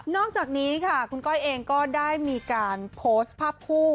อกจากนี้ค่ะคุณก้อยเองก็ได้มีการโพสต์ภาพคู่